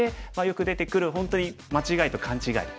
よく出てくる本当に間違いと勘違い。